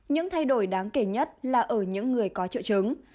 những thay đổi đáng kể nhất là ở những người có triệu chứng